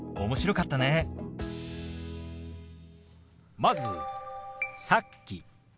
まず「さっき」。